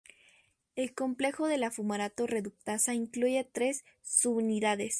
El complejo de la fumarato reductasa incluye tres subunidades.